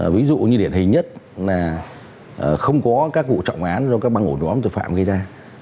ví dụ như điển hình nhất là không có các vụ trọng án do các băng ổ nhóm tội phạm gây ra